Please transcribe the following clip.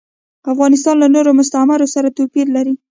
افغانستان له نورو مستعمرو سره توپیر لري.